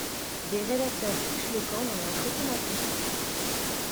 Des rédacteurs fichent le camp dans un photomaton.